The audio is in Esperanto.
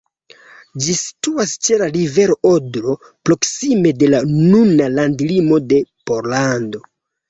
Ĝi situas ĉe la rivero Odro, proksime de la nuna landlimo de Pollando.